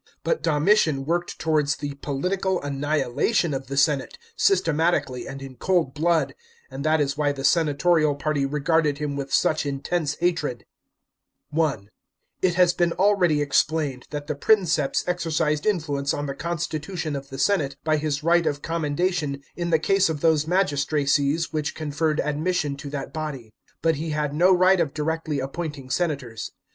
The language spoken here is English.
But Domitian worked towards the political annihilation of the senate systematically and in cold blood ; and that is why the senatorial party regarded him with such intense hatred. (i) It has been already explained that the Princeps exercised * Princeps qul dolatores non castlpat irrltat. 85 96 A.D. DOMITIAN'S CENSOKSHIP. 387 influence on the constitution of the senate by his right of com mendation in the case of those magistracies which conferred admission to that body. But he had no right of directly appointing senators.